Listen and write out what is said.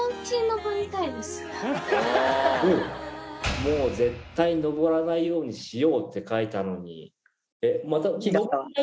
「もうぜったいのぼらないようにしよう」って書いたのに。